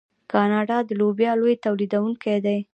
کاناډا د لوبیا لوی تولیدونکی دی.